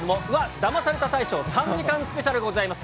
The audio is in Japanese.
ダマされた大賞３時間スペシャルがございます。